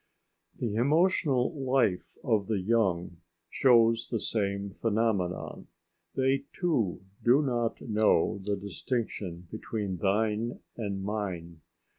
The emotional life of the young shows the same phenomenon. They too do not know the distinction between thine and mine.